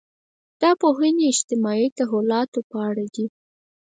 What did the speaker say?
دا پوهنې اجتماعي تحولاتو په اړه دي.